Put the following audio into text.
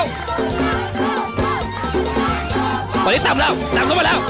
วันนี้ตามแล้วตามเข้ามาแล้ว